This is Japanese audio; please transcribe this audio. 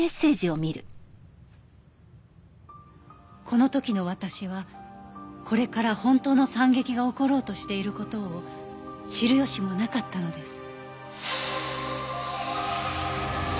この時の私はこれから本当の惨劇が起ころうとしている事を知る由もなかったのです